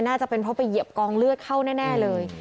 น่าจะเป็นเพราะไปเหยียบกองเลือดเข้าแน่เลย